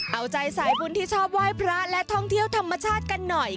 เอาใจสายบุญที่ชอบไหว้พระและท่องเที่ยวธรรมชาติกันหน่อย